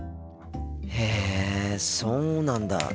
へえそうなんだ。